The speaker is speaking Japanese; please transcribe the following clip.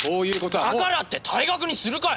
だからって退学にするかよ！